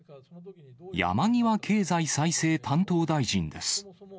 山際経済再生担当大臣です。